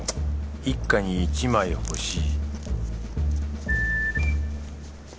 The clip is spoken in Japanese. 一家に１枚ほしい